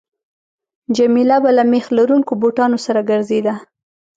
جميله به له میخ لرونکو بوټانو سره ګرځېده.